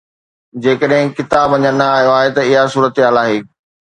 جيڪڏهن ڪتاب اڃا نه آيو آهي ته اها صورتحال آهي.